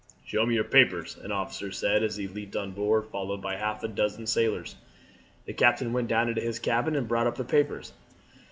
"Show me your papers," an officer said as he leaped on board followed by half a dozen sailors. The captain went down into his cabin and brought up the papers.